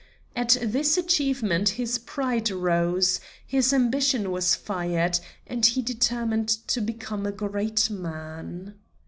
At this achievement his pride rose, his ambition was fired, and he determined to become a great man.